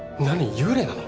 幽霊なの！？